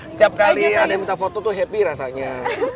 setiap kali ada yang minta foto tuh happy rasanya